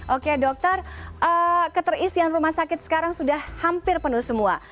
oke dokter keterisian rumah sakit sekarang sudah hampir penuh semua